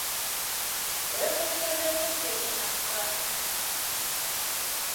Пӧртышкыжӧ шеҥгечынак пура.